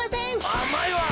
あまいわ！